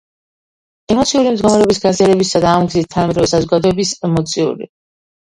ემოციური მდგომარეობის გაზიარებისა და ამ გზით თანამედროვე საზოგადოების ემოციური